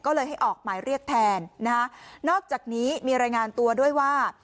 ก็เลยให้ออกหมายเรียกแทนนะฮะนอกจากนี้มีรายงานตัวด้วยว่า